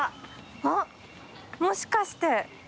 あっもしかして。